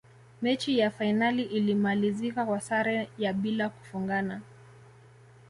mechi ya fainali ilimalizika kwa sare ya bila kufungana